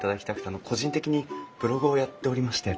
あの個人的にブログをやっておりまして。